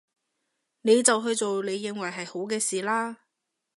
你就去做你認為係好嘅事啦